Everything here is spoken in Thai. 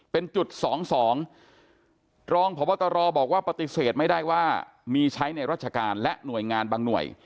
เป็นจุดสองสองรองพบตรบอกว่าปฏิเสธไม่ได้ว่ามีใช้ในราชการและหน่วยงานบางหน่วย